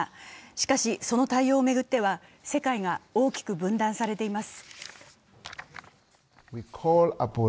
しかし、その対応を巡っては世界が大きく分断されています。